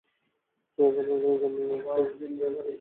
তবে গণনাট্য সংঘে যুক্ত হয়ে শিল্পের নানা শাখায় তিনি কাজ শুরু করেছিলেন।